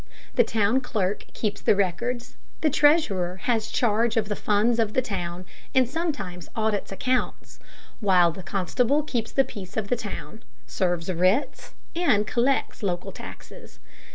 The town clerk keeps the records, the treasurer has charge of the funds of the town and sometimes audits accounts, while the constable keeps the peace of the town, serves writs, and collects local taxes.